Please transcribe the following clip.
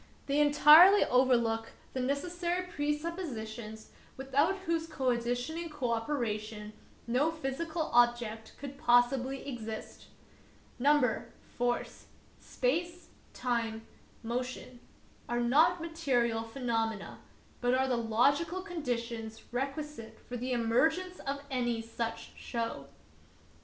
They entirely overlook the necessary presuppositions without whose conditioning cooperation no physical objects could possibly exist. Number, force, space, time, motion, are not material phenomena, but are the logical con ' ditions requisite for the emergence of any such show.